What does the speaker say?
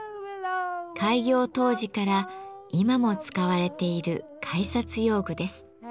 開業当時から今も使われている改札用具です。